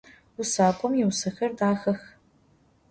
Vusak'om yiusexer daxex.